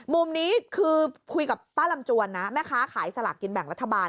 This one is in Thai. มุมนี้คือคุยกับป้าลำจวนนะแม่ค้าขายสลากกินแบ่งรัฐบาล